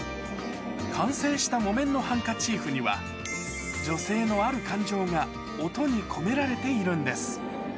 完成した木綿のハンカチーフには、女性のある感情が音に込められているんです。